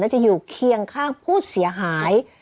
จะอยู่เคียงข้างผู้เสียหาย